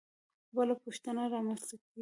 بله پوښتنه رامنځته کېږي.